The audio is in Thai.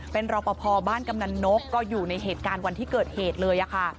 เป็นรอปภบ้านกำนันนกก็อยู่ในเหตุการณ์วันที่เกิดเหตุเลยค่ะ